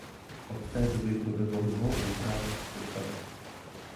Od té doby proběhlo mnoho úprav a přestaveb.